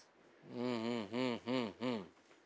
うんうん。